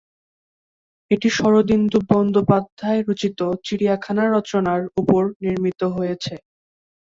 এটি শরদিন্দু বন্দ্যোপাধ্যায় রচিত "চিড়িয়াখানা" রচনার উপর নির্মিত হয়েছে।